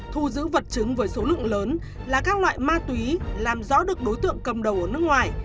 thu giữ vật chứng với số lượng lớn là các loại ma túy làm rõ được đối tượng cầm đầu ở nước ngoài